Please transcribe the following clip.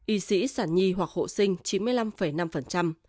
y sĩ sản nhi hoặc hộ sinh chín mươi năm năm